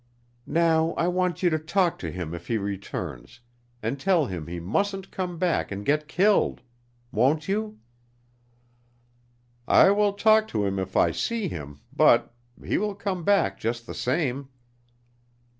"Now I want you to talk to him if he returns, and tell him he mustn't come back and get killed. Won't you?" "I will talk to him if I see him, but he will come back just the same."